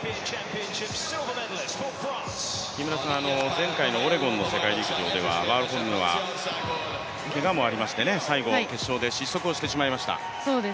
前回のオレゴンの世界陸上では、けがもありまして最後、決勝で失速をしてしまいました。